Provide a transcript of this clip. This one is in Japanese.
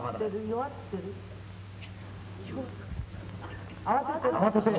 弱ってる？